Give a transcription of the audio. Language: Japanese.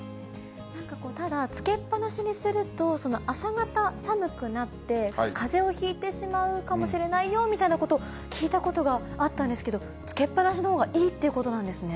なんかこう、ただ、つけっぱなしにすると、朝方寒くなって、かぜをひいてしまうかもしれないよみたいなこと、聞いたことがあったんですけど、つけっぱなしのほうがいいっていうことなんですね。